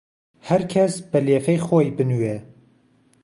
ههر کهس به لێفهی خۆی بنوێ